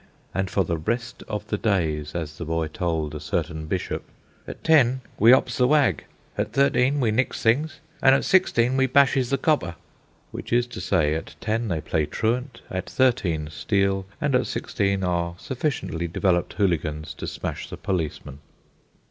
And for the rest of the days, as the boy told a certain bishop, "At ten we 'ops the wag; at thirteen we nicks things; an' at sixteen we bashes the copper." Which is to say, at ten they play truant, at thirteen steal, and at sixteen are sufficiently developed hooligans to smash the policemen.